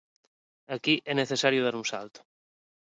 Aquí é necesario dar un salto.